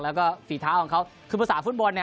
แล้วก็ฝีเท้าของเขาคือภาษาฟุตบอลเนี่ย